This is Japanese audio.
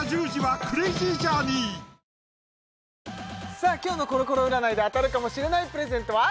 さあ今日のコロコロ占いで当たるかもしれないプレゼントは？